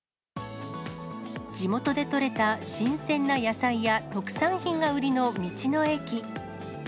地元で取れた新鮮な野菜や特産品が売りの道の駅。